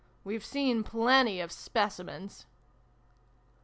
" We've seen plenty of Specimens!'